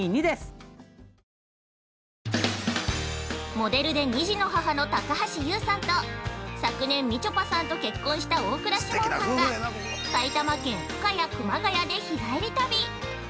◆モデルで２児の母の高橋ユウさんと昨年、みちょぱさんと結婚した大倉士門さんが埼玉県深谷・熊谷で日帰り旅。